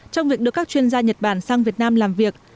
trong việc đưa các chuyên gia nhật bản sang việt nam làm việc